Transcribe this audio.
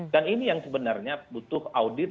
dan ini yang sebenarnya butuh audit